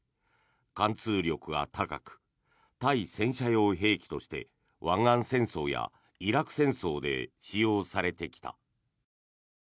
貫通力が高く対戦車用兵器として湾岸戦争やイラク戦争で使用されてきた。